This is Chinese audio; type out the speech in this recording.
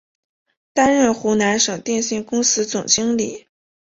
担任湖南省电信公司总经理。